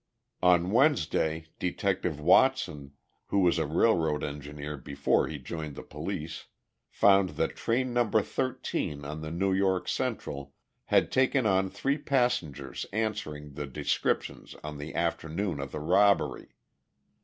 On Wednesday Detective Watson, who was a railroad engineer before he joined the police, found that Train No. 13 on the New York Central had taken on three passengers answering the descriptions on the afternoon of the robbery.